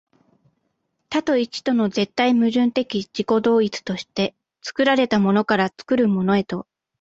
多と一との絶対矛盾的自己同一として、作られたものから作るものへと、